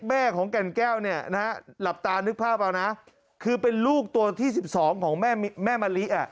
แม่ของแก่นแก้วเนี่ยนะฮะหลับตานึกภาพเอานะคือเป็นลูกตัวที่๑๒ของแม่มะลิ